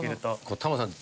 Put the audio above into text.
タモさん